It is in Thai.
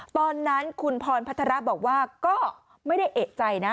ตอนนั้นคุณพรพัฒระบอกว่าก็ไม่ได้เอกใจนะ